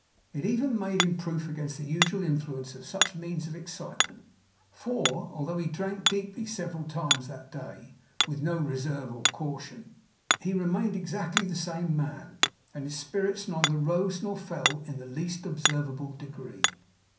It even made him proof against the usual influence of such means of excitement; for, although he drank deeply several times that day, with no reserve or caution, he remained exactly the same man, and his spirits neither rose nor fell in the least observable degree.